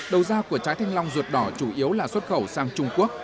đầu gia của trái thanh long rụt đỏ chủ yếu là xuất khẩu sang trung quốc